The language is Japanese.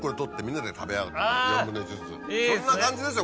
そんな感じですよ